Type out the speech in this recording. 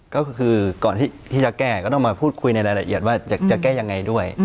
ก็คือก่อนที่จะแก้ก็ต้องมาพูดคุยในรายละเอียดว่าจะแก้ยังไงด้วย